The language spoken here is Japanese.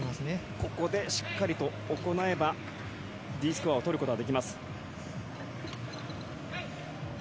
ここでしっかりと行えばＤスコアを取ることはできます。